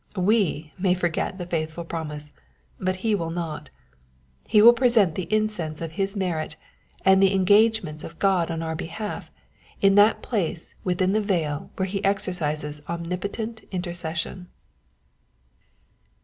We may forget the faithful promise, but he will not : he will present the incense of his merit, and the engagements of God on our behalf, in that place within the veil where he exercises omnipotent intercession.